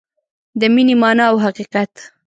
د مینې مانا او حقیقت